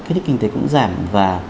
kết thích kinh tế cũng giảm và